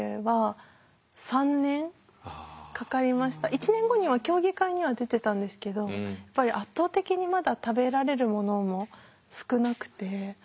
やっぱり１年後には競技会には出てたんですけどやっぱり圧倒的にまだ食べられるものも少なくて。